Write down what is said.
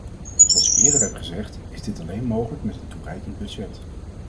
Zoals ik eerder heb gezegd, is dit alleen mogelijk met een toereikend budget.